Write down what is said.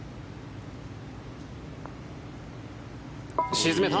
沈めた。